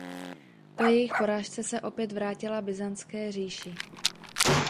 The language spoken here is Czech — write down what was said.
Po jejich porážce se opět vrátila Byzantské říši.